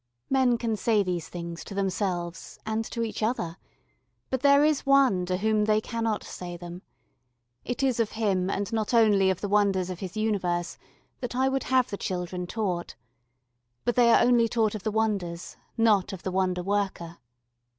Men can say these things to themselves and to each other, but there is One to whom they cannot say them. It is of Him and not only of the wonders of His Universe that I would have the children taught. But they are only taught of the wonders, not of the Wonder worker.